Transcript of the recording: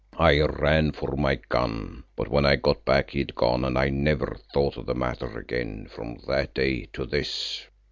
I ran for my gun, but when I got back he had gone and I never thought of the matter again from that day to this."